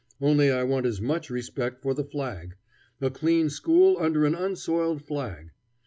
Only I want as much respect for the flag: a clean school under an unsoiled flag!